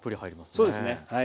そうですねはい。